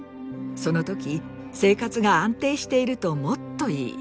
その時生活が安定しているともっといい。